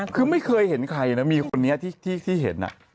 คือไม่เคยเห็นใครนะมีคนนี้ที่เห็น